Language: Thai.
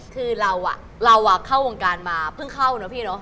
คือเราเข้าวงการมาเพิ่งเข้าเนอะพี่เนอะ